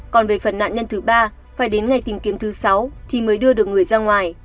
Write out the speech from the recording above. còn về phần nạn nhân thứ ba phải đến ngày tìm kiếm thứ sáu thì mới đưa được người ra ngoài